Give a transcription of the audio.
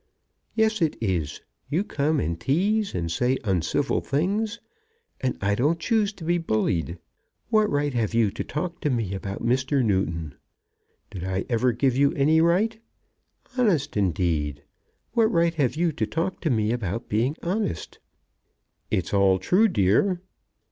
"Yes, it is. You come and tease and say uncivil things, and I don't choose to be bullied. What right have you to talk to me about Mr. Newton? Did I ever give you any right? Honest indeed! What right have you to talk to me about being honest?" "It's all true, dear."